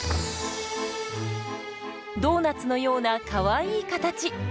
ドーナツのようなかわいい形。